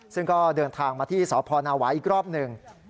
ซึ่งก็เดินทางมาที่สพนาวายอีกรอบหนึ่ง